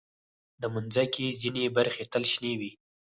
د مځکې ځینې برخې تل شنې وي.